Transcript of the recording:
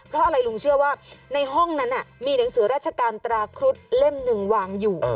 เพราะอะไรลุงเชื่อว่าในห้องนั้นมีหนังสือราชการตราครุฑเล่มหนึ่งวางอยู่